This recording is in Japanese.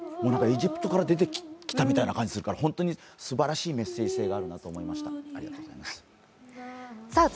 エジプトから出てきたみたいな感じがするから、本当にすばらしいメッセージ性があるんだと思いました、ありがとうございました。